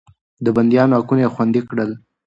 د بنديانو حقونه يې خوندي کړل.